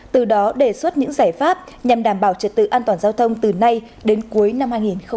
từ đó đề xuất những giải pháp nhằm đảm bảo trật tự an toàn giao thông từ nay đến cuối năm hai nghìn hai mươi